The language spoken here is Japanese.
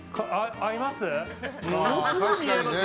合います？